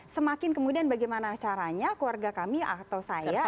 semakin kemudian bagaimana caranya keluarga kami atau saya